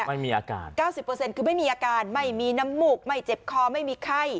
ไม่มีอาการ๙๐คือไม่มีอาการไม่มีน้ำมูกไม่เจ็บคอไม่มีไข้